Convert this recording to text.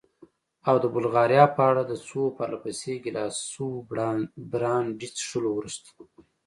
او د بلغاریا په اړه؟ د څو پرله پسې ګیلاسو برانډي څښلو وروسته.